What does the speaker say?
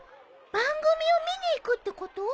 番組を見に行くってこと？